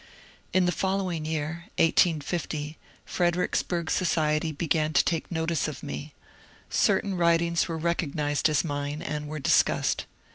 In the following year (1850) Fredericksburg society began to take notice of me. Certain writings were recognized as mine, and were discussed.